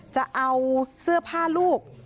จะเอาเสื้อผ้าลูก